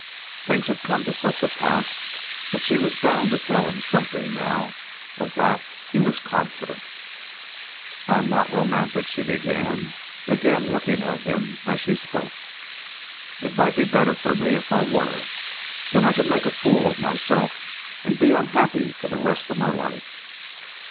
Things had come to such a pass that she was bound to tell him something now. Of that he was confident. "I am not romantic," she began, again looking at him as he spoke. "It might be better for me if I were. Then I could make a fool of myself and be unhappy for the rest of my life.